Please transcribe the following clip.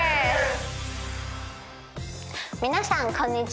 皆さんこんにちは。